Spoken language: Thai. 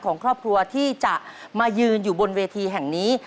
ของครอบครัวที่จะมายืนอยู่บนเวทีแห่งนี้